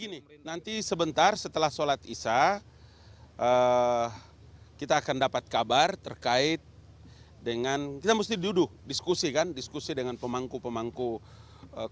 nanti sebentar setelah sholat isya kita akan dapat kabar terkait dengan kita mesti duduk diskusi kan diskusi dengan pemangku pemangku kepentingan